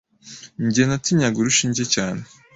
njye Natinyaga urushinge cyane.